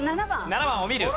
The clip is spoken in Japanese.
７番を見る。